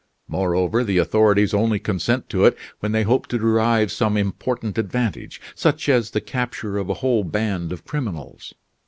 Moreover, the authorities only consent to it when they hope to derive some important advantage, such as the capture of a whole band of criminals.